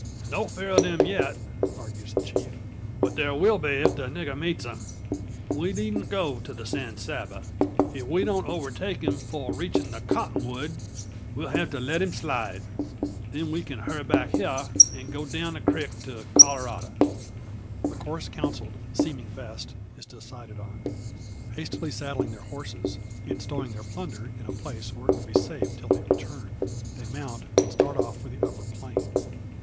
"No fear of them yet," argues the chief, "but there will be if the nigger meets them. We needn't go on to the San Saba. If we don't overtake him 'fore reachin' the cottonwood, we'll hev' to let him slide. Then we can hurry back hyar, an' go down the creek to the Colorado." The course counselled, seeming best, is decided on. Hastily saddling their horses, and stowing the plunder in a place where it will be safe till their return, they mount, and start off for the upper plain.